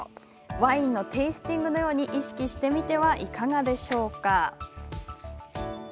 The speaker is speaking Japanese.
ワインのテイスティングのように意識してみてはいかがでしょう？